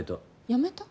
やめた？